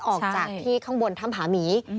ออกจากที่ข้างบนถ้ำผาหมี